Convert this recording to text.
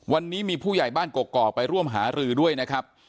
วันนี้มีผู้ใหญ่บ้านกกอกไปร่วมหารือด้วยนะครับ